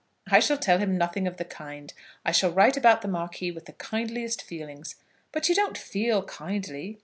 "I shall tell him nothing of the kind. I shall write about the Marquis with the kindliest feelings." "But you don't feel kindly?"